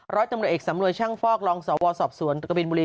ร้อยตำรวจเอกสำรวยช่างฟอกรองสวสอบสวนกะบินบุรี